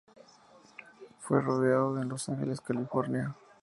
Fue rodado en Los Ángeles, California.